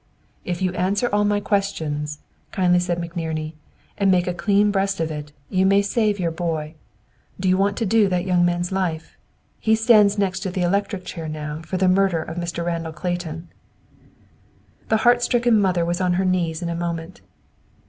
"If you answer all my questions," kindly said McNerney, "and make a clean breast of it, you may save your boy. Do you want to do that young man's life? He stands next to the electric chair now, for the murder of Mr. Randall Clayton!" The heart stricken mother was on her knees in a moment.